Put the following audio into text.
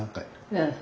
うん。